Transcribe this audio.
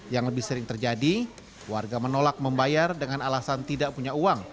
yang lebih sering terjadi warga menolak membayar dengan alasan tidak punya uang